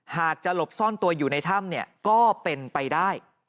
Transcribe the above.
หากจะหลบซ่อนตัวอยู่ในถ้ำก็เป็นไปได้